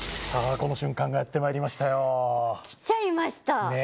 この瞬間がやってまいりましたよ来ちゃいましたね